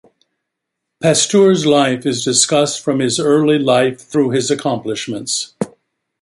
Pasteur's life is discussed from his early life through his accomplishments.